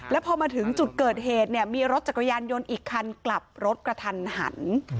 แล้วพอมาถึงจุดเกิดเหตุเนี่ยมีรถจักรยานยนต์อีกคันกลับรถกระทันหัน